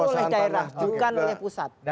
perizinan itu oleh daerah bukan oleh pusat